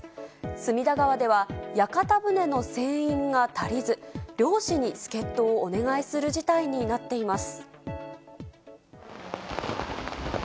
隅田川では、屋形船の船員が足りず、漁師に助っ人をお願いする事態になっています。